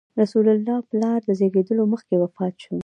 رسول الله ﷺ پلار د زېږېدو مخکې وفات شو.